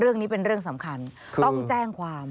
เรื่องนี้เป็นเรื่องสำคัญต้องแจ้งความ